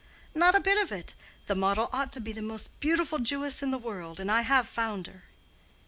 "Not a bit of it. The model ought to be the most beautiful Jewess in the world, and I have found her."